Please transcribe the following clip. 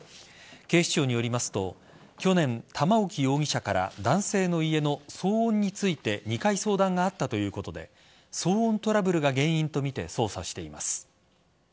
警視庁によりますと去年、玉置容疑者から男性の家の騒音について２回、相談があったということで騒音トラブルが原因とみて捜査しています。